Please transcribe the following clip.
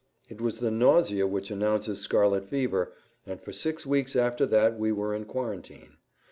It was the nausea which announces scarlet fever, and for six weeks after that we were in quarantine.